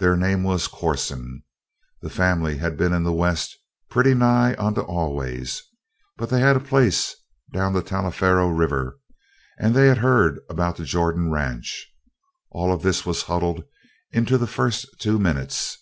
Their name was Corson; their family had been in the West "pretty nigh onto always"; they had a place down the Taliaferro River; and they had heard about the Jordan ranch. All of this was huddled into the first two minutes.